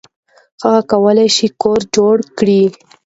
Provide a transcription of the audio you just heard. هغه کولی شي کور جوړ کړي.